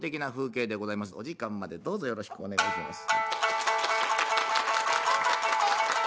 お時間までどうぞよろしくお願いします。